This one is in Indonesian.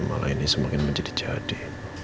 malah ini semakin menjadi jadi